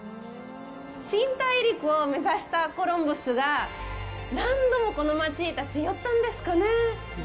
新大陸を目指したコロンブスが何度もこの街に立ち寄ったんですかね。